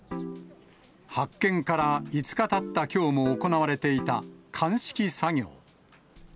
発見から５日たったきょうも行われていた鑑識作業。